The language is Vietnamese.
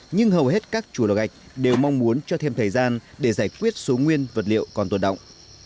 nhưng hầu hết các chùa lò gạch đều mong muốn cho thêm thời gian để giải quyết số nguyên vật liệu còn tồn động